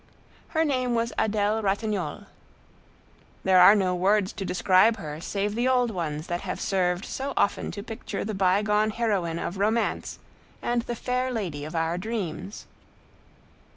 Her name was Adèle Ratignolle. There are no words to describe her save the old ones that have served so often to picture the bygone heroine of romance and the fair lady of our dreams.